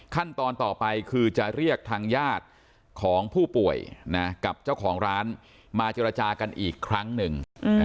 ขั้นตอนต่อไปคือจะเรียกทางญาติของผู้ป่วยกับเจ้าของร้านมาเจรจากันอีกครั้งหนึ่ง